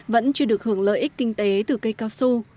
vẫn chưa được hưởng lợi ích kinh tế từ cây cao su